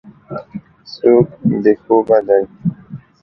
څوک بې خوبه دی.